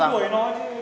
mày đuổi nó chứ đuổi em